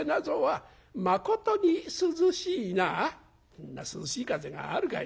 「そんな涼しい風があるかい」。